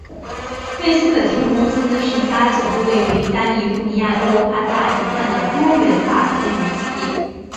魏斯可金融公司是一家总部位于加尼福尼亚州帕萨迪纳的多元化金融企业。